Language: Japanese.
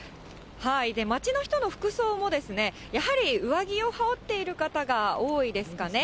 街の人の服装もやはり上着を羽織っている方が多いですかね。